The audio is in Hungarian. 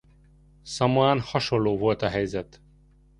Szamoán hasonló volt a helyzet.